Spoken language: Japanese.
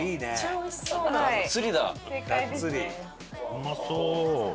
うまそう！